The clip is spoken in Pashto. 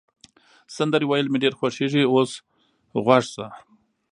سندرې ویل مي ډېر خوښیږي، اوس غوږ شه.